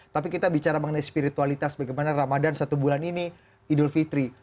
tapi kita bicara mengenai spiritualitas bagaimana ramadan satu bulan ini idul fitri